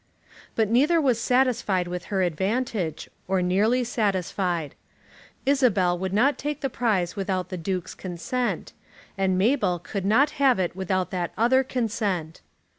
But neither was satisfied with her advantage, or nearly satisfied. Isabel would not take the prize without the Duke's consent; and Mabel could not have it without that other consent.